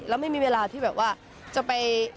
แล้วไม่มีเวลาที่แบบว่าจะไป